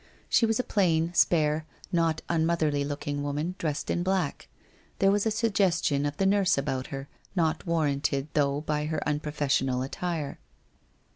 She was a plain, spare, not unmotherly looking woman, dressed in black. There was a suggestion of the nurse about her, not warranted though by her unprofessional attire.